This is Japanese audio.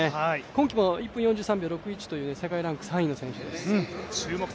今季も１分３３秒６１という世界ランク３位の選手です。